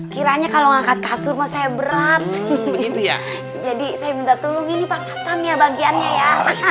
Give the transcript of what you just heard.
kiranya kalau ngangkat kasur saya berat jadi saya minta tolong ini pasatan ya bagiannya ya